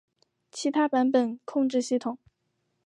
其他版本控制系统